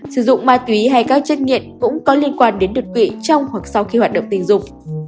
sử dụng ma túy hay các chất nghiện cũng có liên quan đến đột quỵ trong hoặc sau khi hoạt động tình dục